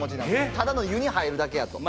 ただの湯に入るだけやと。